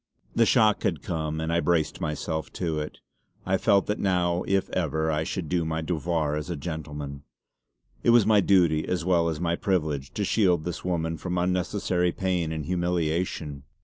The shock had come, and I braced myself to it. I felt that now if ever I should do my devoir as a gentleman. It was my duty as well as my privilege to shield this woman from unnecessary pain and humiliation.